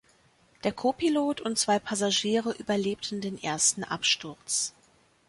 Der Co-Pilot und zwei Passagiere überlebten den ersten Absturz.